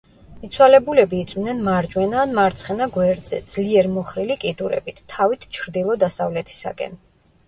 მიცვალებულები იწვნენ მარჯვენა ან მარცხენა გვერდზე, ძლიერ მოხრილი კიდურებით, თავით ჩრდილო-დასავლეთისაკენ.